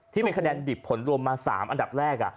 ที่เป็นคะแนนดิบผลวมมาสามอันดับแรก